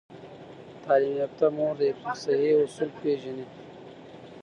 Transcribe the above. تعلیم یافته مور د حفظ الصحې اصول پیژني۔